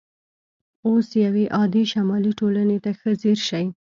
اوس یوې عادي شمالي ټولنې ته ښه ځیر شئ